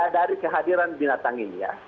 dari kehadiran binatang ini ya